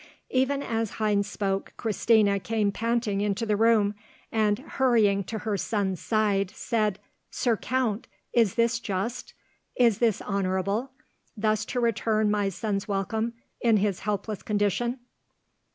Even as Heinz spoke, Christina came panting into the room, and, hurrying to her son's side, said, "Sir Count, is this just, is this honourable, thus to return my son's welcome, in his helpless condition?"